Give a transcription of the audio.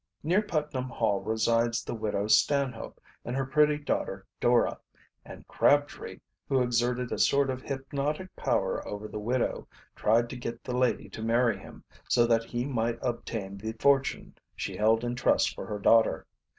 Near Putnam Hall resides the widow Stanhope and her pretty daughter Dora, and Crabtree, who exerted a sort of hypnotic power over the widow, tried to get the lady to marry him, so that he might obtain the fortune she held in trust for her daughter.